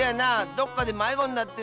どっかでまいごになってるわ。